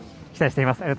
期待しています。